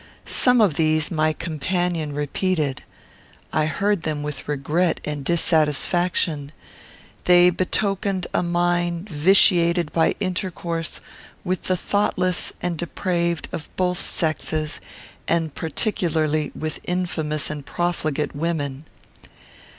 Some of these my companion repeated. I heard them with regret and dissatisfaction. They betokened a mind vitiated by intercourse with the thoughtless and depraved of both sexes, and particularly with infamous and profligate women.